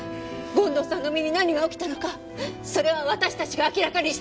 権藤さんの身に何が起きたのかそれは私たちが明らかにしてみせる。